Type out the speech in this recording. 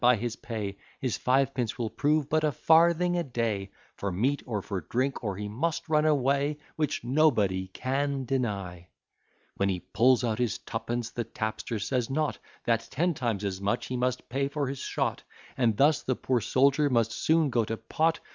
by his pay; His fivepence will prove but a farthing a day, For meat, or for drink; or he must run away. Which, &c. When he pulls out his twopence, the tapster says not, That ten times as much he must pay for his shot; And thus the poor soldier must soon go to pot.